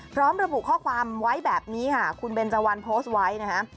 พร้อมระบุข้อความไว้แบบนี้ค่ะคุณเบนเจวันโพสต์ไว้นะฮะ